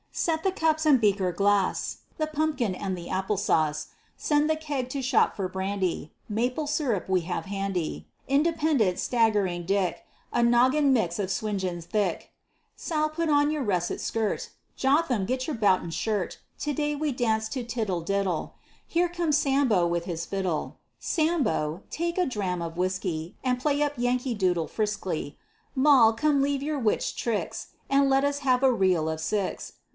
Set the cups and beaker glass, The pumpkin and the apple sauce; Send the keg to shop for brandy; Maple sugar we have handy. Independent, staggering Dick, A noggin mix of swingeing thick; Sal, put on your russet skirt, Jotham, get your boughten shirt, To day we dance to tiddle diddle. Here comes Sambo with his fiddle; Sambo, take a dram of whiskey, And play up Yankee Doodle frisky. Moll, come leave your witched tricks, And let us have a reel of six.